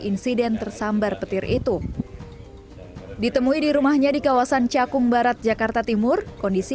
insiden tersambar petir itu ditemui di rumahnya di kawasan cakung barat jakarta timur kondisi